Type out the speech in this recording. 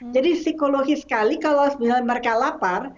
jadi psikologis sekali kalau sebenarnya mereka lapar